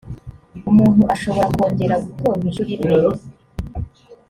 umuntu ashobora kongera gutorwa inshuro iimwe